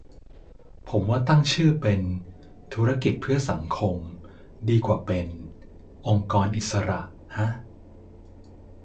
ผมว่าตั้งชื่อเป็น ธุรกิจเพื่อสังคม ดีกว่าเป็น องค์กรอิสระ ฮะ